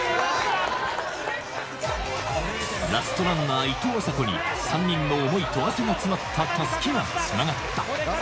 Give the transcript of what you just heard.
ラストランナー、いとうあさこに、３人の思いと汗が詰まったたすきがつながった。